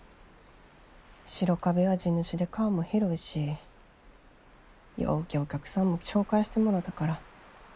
白壁は地主で顔も広いしようけお客さんも紹介してもろたから。